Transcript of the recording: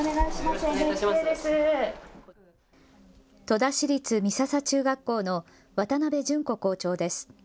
戸田市立美笹中学校の渡部淳子校長です。